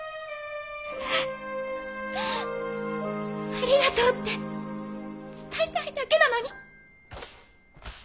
「ありがとう」って伝えたいだけなのに。